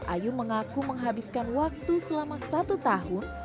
ayu mengaku menghabiskan waktu selama satu tahun